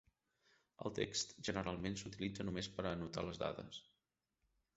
El text generalment s'utilitza només per anotar les dades.